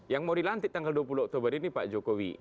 yang mau dilantik tanggal dua puluh oktober ini pak jokowi